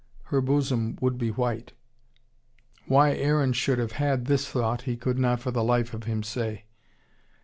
Her bosom would be white. Why Aaron should have had this thought, he could not for the life of him say.